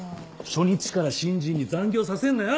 初日から新人に残業させんなよ。